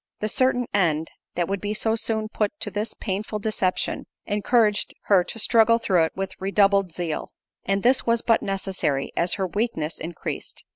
The certain end, that would be so soon put to this painful deception, encouraged her to struggle through it with redoubled zeal; and this was but necessary, as her weakness increased.